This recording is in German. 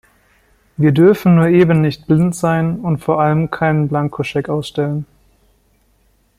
Wir dürfen nur eben nicht blind sein und vor allem keinen Blankoscheck ausstellen!